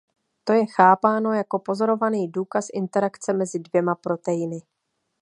To je chápáno jako pozorovaný důkaz interakce mezi dvěma proteiny.